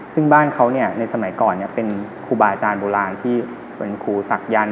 ซึ่งบ้านเขาในสมัยก่อนเป็นครูบาอาจารย์โบราณที่เป็นครูศักยันต์